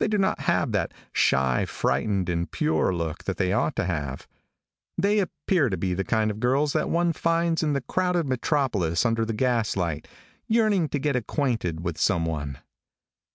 They do not have that shy, frightened and pure look that they ought to have. They appear to be that kind of girls that one finds in the crowded metropolis under the gas light, yearning to get acquainted with some one.